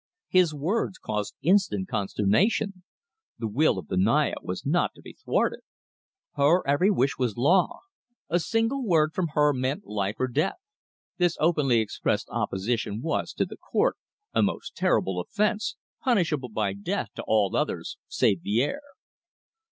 His words caused instant consternation. The will of the Naya was not to be thwarted. Her every wish was law; a single word from her meant life or death. This openly expressed opposition was, to the court, a most terrible offence, punishable by death to all others save the heir.